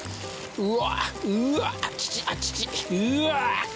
うわ！